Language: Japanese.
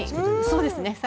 そうですね。